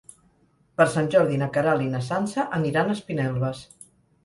Per Sant Jordi na Queralt i na Sança aniran a Espinelves.